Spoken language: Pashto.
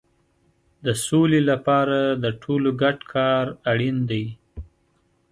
د سولې لپاره د ټولو ګډ کار اړین دی.